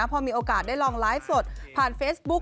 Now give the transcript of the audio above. พอมีโอกาสได้ลองไลฟ์สดผ่านเฟซบุ๊ก